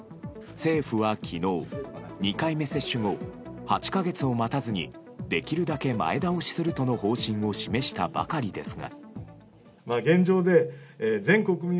政府は昨日、２回目接種後８か月を待たずにできるだけ前倒しするとの方針を示したばかりですが。